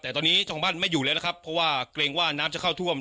แต่ตอนนี้เจ้าของบ้านไม่อยู่แล้วนะครับเพราะว่าเกรงว่าน้ำจะเข้าท่วม